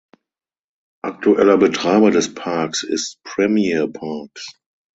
Aktueller Betreiber des Parks ist Premier Parks.